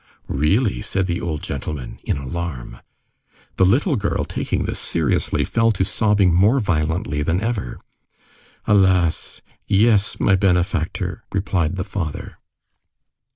"Really?" said the old gentleman, in alarm. The little girl, taking this seriously, fell to sobbing more violently than ever. "Alas! yes, my benefactor!" replied the father.